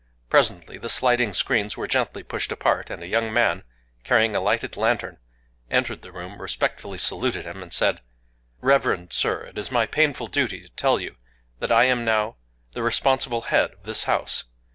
Presently the sliding screens were gently pushed apart; and a young man, carrying a lighted lantern, entered the room, respectfully saluted him, and said:— "Reverend Sir, it is my painful duty to tell you that I am now the responsible head of this house.